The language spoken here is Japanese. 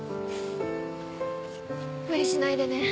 無理しないでね。